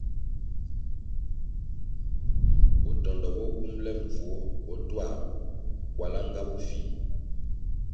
Botondo bo bumʼle mbvuo bo tuagu, kwalá nga bofih.